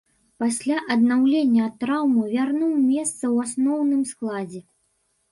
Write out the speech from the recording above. Пасля аднаўлення ад траўмы вярнуў месца ў асноўным складзе.